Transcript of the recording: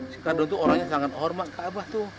si kardun tuh orangnya sangat hormat ke abah tuh